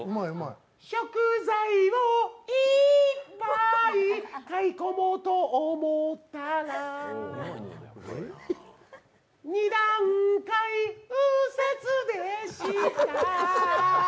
食材をいっぱい買い込もうと思ったら２段階右折でした。